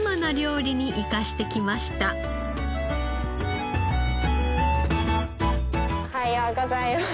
おはようございます。